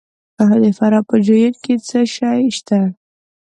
د فراه په جوین کې څه شی شته؟